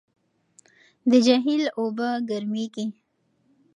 د جهیل اوبه ګرمېږي.